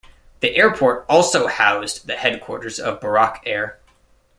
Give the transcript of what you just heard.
The airport also housed the headquarters of Buraq Air.